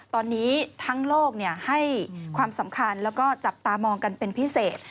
ตอนนี้ทั้งโลกให้ความสำคัญแล้วก็จับตามองกันเป็นพิเศษ